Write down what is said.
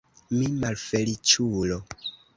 Mi malfeliĉulo!